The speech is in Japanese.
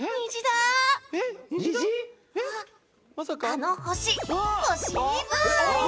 「あの星欲しいブイ！」